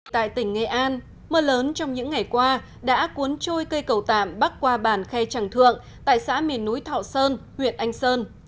tại tỉnh nghệ an mưa lớn trong những ngày qua đã cuốn trôi cây cầu tạm bắc qua bản khe tràng thượng tại xã miền núi thọ sơn huyện anh sơn